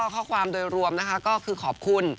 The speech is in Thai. ข้อความโดยรวมนะคะก็คือขอบคุณ